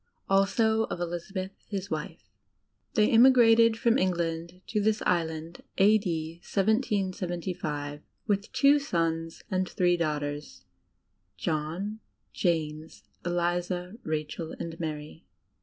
Also of Elizabeth, his wife. They emigrated from Etigtand to this Island, a.d. 1775, with two sons and three daughters, viz., John, James, Eliza, Rachel, and Mary.